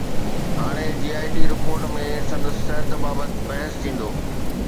هاڻي J I T report ۾ سندس صحت بابت بحث ٿيندو